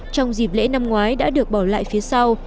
trong dịp lễ năm ngoái đã được bỏ lại phía sau